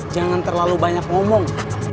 jangan terlalu banyak ngomong